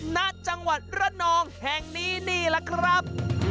ณจังหวัดระนองแห่งนี้นี่แหละครับ